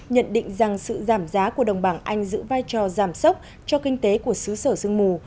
nhận định rằng sự giảm giá của đồng bằng anh giữ vai trò giảm sốc cho kinh tế của xứ sở sương mù